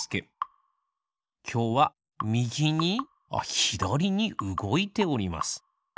きょうはみぎにひだりにうごいております。